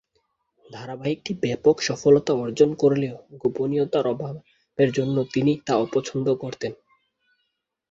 ধারাবাহিকটি ব্যাপক সফলতা অর্জন করলেও গোপনীয়তার অভাবের জন্য তিনি তা অপছন্দ করতেন।